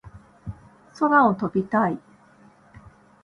空を飛びたい